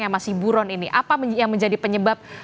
yang masih buron ini apa yang menjadi penyebab